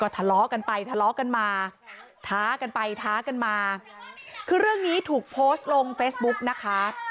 ที่ถูกโพสต์ลงเฟสบุ๊คนะคะ